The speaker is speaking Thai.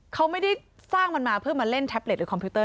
เขาไม่ได้สร้างมันมาเพื่อมาเล่นแท็บเล็ตหรือคอมพิวเต